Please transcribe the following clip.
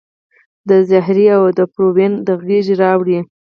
د زهرې او د پروین د غیږي راوړي